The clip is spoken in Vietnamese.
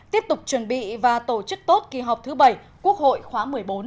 tiếp tục chuẩn bị và tổ chức tốt kỳ họp thứ bảy quốc hội khóa một mươi bốn